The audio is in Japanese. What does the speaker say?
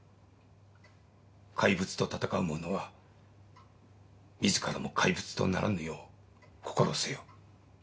「怪物と闘う者は自らも怪物とならぬよう心せよ」。